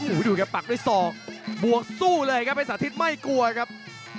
อุ้ยดูปักด้วยซอบวกสู้เลยครับเทศสาชิตไม่กลัวครับ